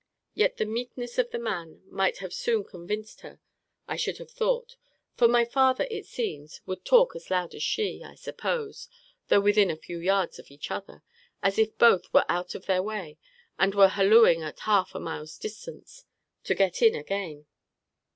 Yet the meekness of the man might have soon convinced her, I should have thought; for my father, it seems, would talk as loud as she, I suppose, (though within a few yards of each other,) as if both were out of their way, and were hallooing at half a mile's distance, to get in again.